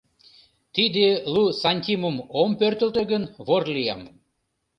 Тиде лу сантимым ом пӧртылтӧ гын, вор лиям.